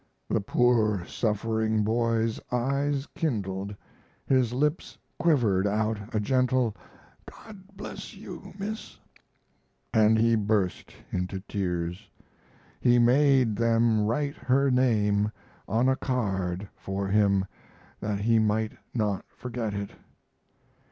The poor suffering boy's eyes kindled, his lips quivered out a gentle "God bless you, Miss," and he burst into tears. He made them write her name on a card for him, that he might not forget it.